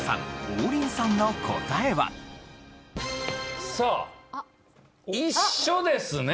王林さんの答えは？さあ一緒ですね。